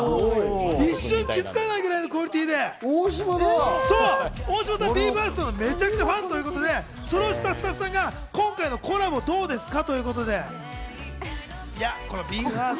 一瞬気づかないくらいのクオリティーで、大島さん、ＢＥ：ＦＩＲＳＴのめちゃめちゃファンということで、それを知ったスタッフさんがオファーして、今回コラボどうですか？